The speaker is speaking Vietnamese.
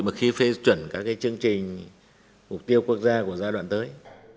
mà khi phê chuẩn các chương trình mục tiêu quốc gia của giai đoạn tới